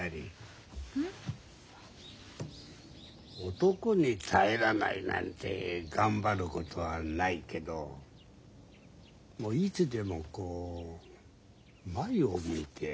男に頼らないなんて頑張ることはないけどいつでもこう前を向いて歩け。